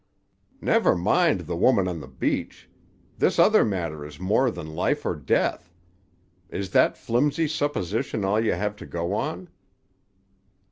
"Never mind the woman on the beach. This other matter is more than life or death. Is that flimsy supposition all you have to go on?"